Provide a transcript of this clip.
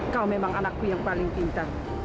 kau memang anakku yang paling pintar